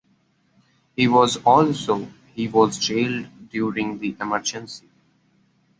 He was also he was jailed during The Emergency.